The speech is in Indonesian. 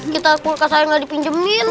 kita kulkas aja gak dipinjemin